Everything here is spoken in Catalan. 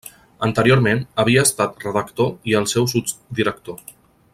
Anteriorment, havia estat redactor i el seu sotsdirector.